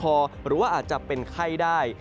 หรือว่าอาจจะเป็นไข้ได้